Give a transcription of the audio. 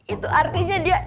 itu artinya dia